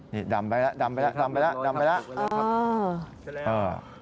นี่ดำไปแล้วดำไปแล้วดำไปแล้ว